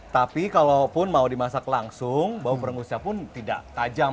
tapi kalau pun mau dimasak langsung bau berenusnya pun tidak tajam